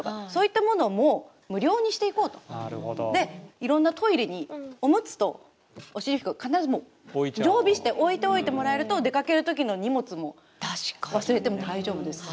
いろんなトイレにおむつと、おしりふきを必ず常備して置いておいてもらえると出かける時の荷物も忘れても大丈夫ですし。